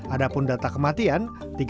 adapun data kematian